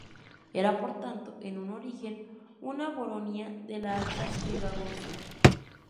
Era, por tanto, en un origen, una baronía de la Alta Ribagorza.